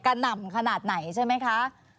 หน่ำขนาดไหนใช่ไหมคะ